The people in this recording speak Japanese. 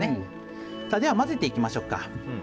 では混ぜていきましょうか。